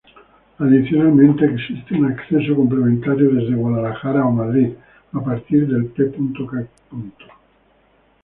Adicionalmente, existe un acceso complementario desde Guadalajara o Madrid, a partir del p.k.